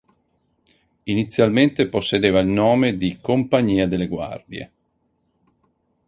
Inizialmente possedeva il nome di "Compagnia delle guardie".